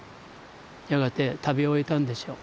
やがて食べ終えたんでしょう。